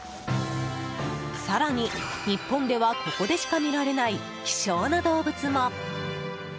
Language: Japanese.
更に、日本ではここでしか見られない希少な動物も。